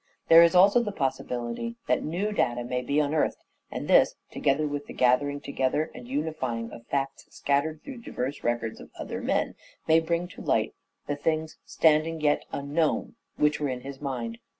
There is also the possibility that new data may be unearthed, and this, together with the gathering together and unifying of facts scattered through the diverse records of other men, may bring to light the things " standing yet unknown " which were in his mind.